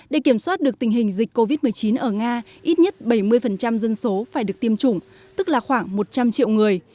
để kiểm soát được tình hình dịch covid một mươi chín ở nga ít nhất bảy mươi dân số phải được tiêm chủng tức là khoảng một trăm linh triệu người